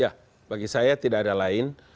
ya bagi saya tidak ada lain